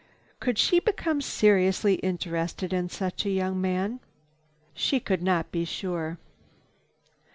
Could she become seriously interested in such a young man? She could not be sure.